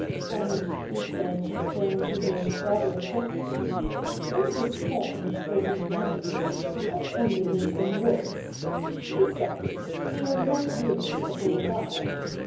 And,' he said, turning to her rather 42 THE NEW REPUBLIC [bk. i abruptly, 'don't despond over the times : that only makes them worse. Besides, they are not really at all bad.